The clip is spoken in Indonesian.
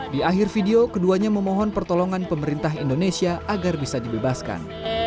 di akhir video keduanya memohon pertolongan pemerintah indonesia agar bisa dibebaskan